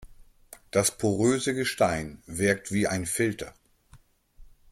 Das poröse Gestein wirkt wie ein Filter.